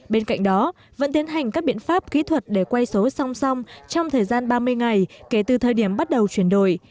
bên cạnh đó vẫn tiến hành các biện pháp kỹ thuật để quay số song song trong thời gian ba mươi ngày kể từ thời điểm bắt đầu chuyển đổi